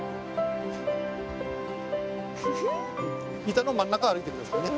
板の真ん中歩いてくださいね。